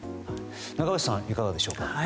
中林さん、いかがでしょうか。